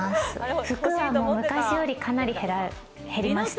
服は、もう昔より、かなり減りました。